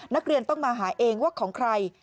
นักเรียนต้องมาหาเองว่าของใคร